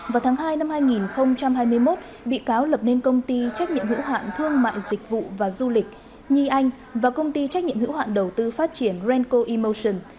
vào tháng hai năm hai nghìn hai mươi một bị cáo lập nên công ty trách nhiệm hữu hạn thương mại dịch vụ và du lịch nhi anh và công ty trách nhiệm hữu hạn đầu tư phát triển renco emotion